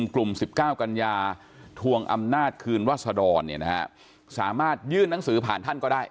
กลุ่ม๑๙กันยาทวงอำนาจคืนวัศดรสามารถยื่นหนังสือผ่านท่านก็ได้